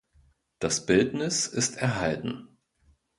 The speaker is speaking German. Das Bildnis ist erhalten.